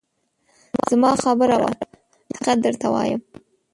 زما خبره واوره ! حقیقت درته وایم.